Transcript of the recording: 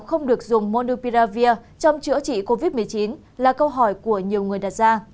không được dùng monupiravir trong chữa trị covid một mươi chín là câu hỏi của nhiều người đặt ra